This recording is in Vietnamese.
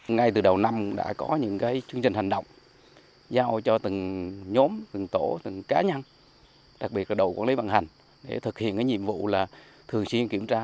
ngay từ đầu năm đã có những chương trình hành động giao cho từng nhóm từng tổ từng cá nhân đặc biệt là đội quản lý vận hành để thực hiện nhiệm vụ là thường xuyên kiểm tra